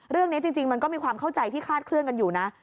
เรื่องนี้จริงมันก็มีความเข้าใจที่คาดเคลื่อนกันอยู่นะ